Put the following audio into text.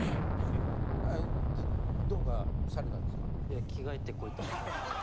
どうかされたんですか？